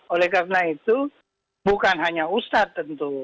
oleh karena itu bukan hanya ustadz tentu